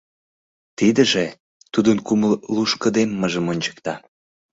Тидыже тудын кумыл лушкыдеммыжым ончыкта.